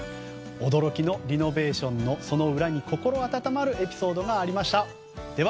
驚きのリノベーションのその裏に心温まるエピソードがありました。